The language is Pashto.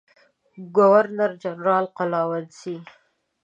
ګورنر جنرال قلا ونیسي.